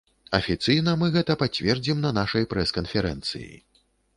Афіцыйна мы гэта пацвердзім на нашай прэс-канферэнцыі.